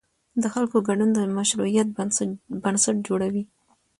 د خلکو ګډون د مشروعیت بنسټ جوړوي